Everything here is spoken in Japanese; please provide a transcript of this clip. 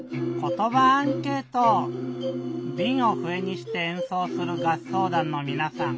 びんをふえにしてえんそうするがっそうだんのみなさん。